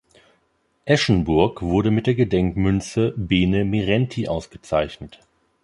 Eschenburg wurde mit der Gedenkmünze Bene Merenti ausgezeichnet.